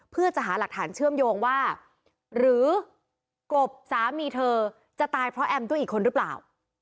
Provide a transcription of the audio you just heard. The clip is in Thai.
เพื่อจะหาหลักฐานเชื่อมโยงว่าหรือกบสามีเธอจะตายเพราะแอมด้วยอีกคนหรือเปล่า